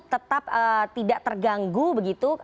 tetap tidak terganggu begitu